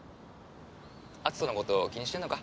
篤斗のこと気にしてんのか？